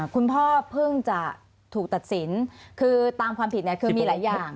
คุณพ่อเพิ่งจะถูกตัดสินคือตามความผิดคือมีหลายอย่าง